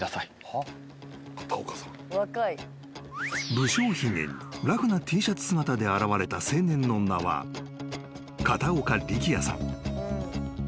［無精ひげにラフなＴシャツ姿で現れた青年の名は片岡力也さん］